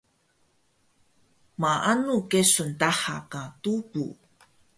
Maanu kesun daha ka tubu?